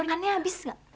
biarkannya abis ga